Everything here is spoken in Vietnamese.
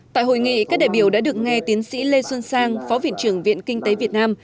tại hội nghị các đại biểu đã được nghe tiến sĩ lê xuân sang phó viện trưởng viện kinh tế việt nam